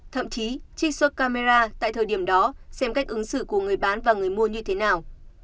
thậm chí trích xuất camera tại thời điểm đó xem cách ứng xử của người bán và người mua như thế nào